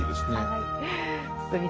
はい。